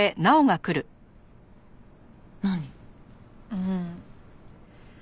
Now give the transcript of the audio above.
うん。